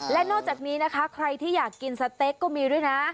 และนอกจากนี้นะคะใครที่อยากกินสเต็กก็มีด้วยนะ